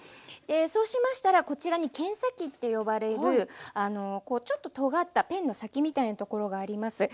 そうしましたらこちらに剣先って呼ばれるちょっととがったペンの先みたいなところがあります。